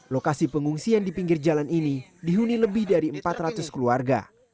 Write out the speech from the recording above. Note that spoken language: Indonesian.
lokasi pengungsian di pinggir jalan ini dihuni lebih dari empat ratus keluarga